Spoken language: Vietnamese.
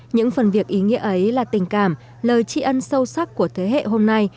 những phần việc ý nghĩa ấy là tình cảm lời tri ân sâu sắc của thế hệ hôm nay